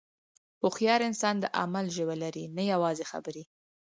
هوښیار انسان د عمل ژبه لري، نه یوازې خبرې.